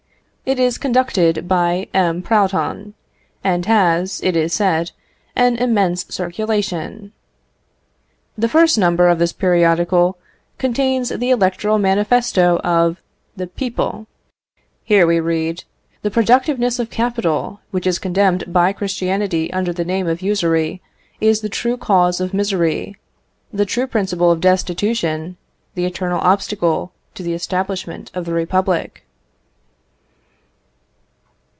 It is conducted by M. Proudhon, and has, it is said, an immense circulation. The first number of this periodical contains the electoral manifesto of the people. Here we read, "The productiveness of capital, which is condemned by Christianity under the name of usury, is the true cause of misery, the true principle of destitution, the eternal obstacle to the establishment of the Republic."